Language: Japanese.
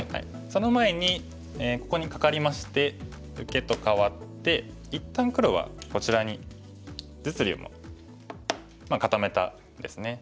その前にここにカカりまして受けと換わって一旦黒はこちらに実利も固めたんですね。